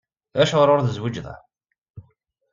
Acuɣer ur tezwiǧeḍ ara?